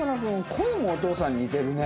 声もお父さんに似てるね。